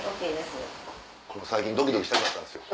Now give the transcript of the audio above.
最近ドキドキしなくなったんですよ。